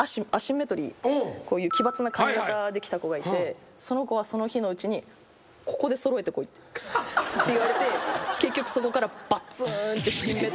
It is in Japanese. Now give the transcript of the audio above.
こういう奇抜な髪形で来た子がいてその子はその日のうちに「ここで揃えてこい」って言われて結局そこからバッツーンって。